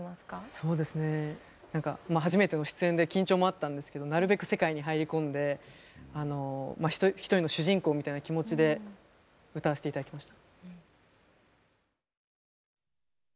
そうですねなんか初めての出演で緊張もあったんですけどなるべく世界に入り込んで一人の主人公みたいな気持ちで歌わせて頂きました。